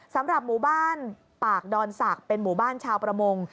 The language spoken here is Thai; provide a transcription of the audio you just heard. สำหรับหมู่บ้านปากดอนศักดิ์เป็นหมู่บ้านชาวประมง